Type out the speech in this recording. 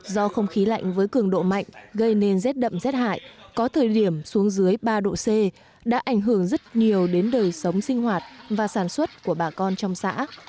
do không khí lạnh với cường độ mạnh gây nên rét đậm rét hại có thời điểm xuống dưới ba độ c đã ảnh hưởng rất nhiều đến đời sống sinh hoạt và sản xuất của bà con trong xã